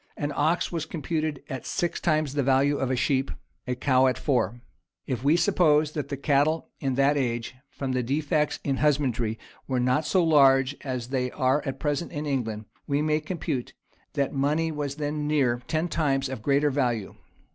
An ox was computed at six times the value of a sheep; a cow at four.[] If we suppose that the cattle in that age, from the defects in husbandry, were not so large as they are at present in England, we may compute that money was then near ten times of greater value.